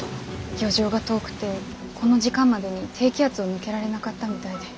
漁場が遠くてこの時間までに低気圧を抜けられなかったみたいで。